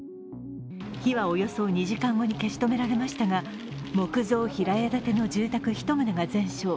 火はおよそ２時間後に消し止められましたが木造平屋建ての住宅１棟が全焼。